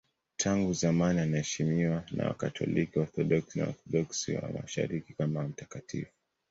Tangu zamani anaheshimiwa na Wakatoliki, Waorthodoksi na Waorthodoksi wa Mashariki kama mtakatifu.